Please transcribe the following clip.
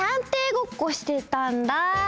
ごっこしてたんだ。